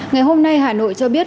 ngày hôm nay hà nội cho biết